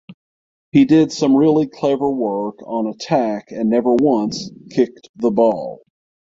He did some really clever work on attack and never once kicked the ball.